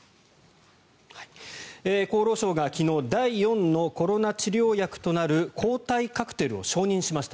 厚労省が昨日第４のコロナ治療薬となる抗体カクテルを承認しました。